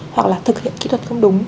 hoặc là thực hiện kỹ thuật không đúng